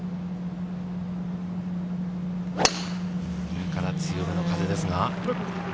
右から強めの風ですが。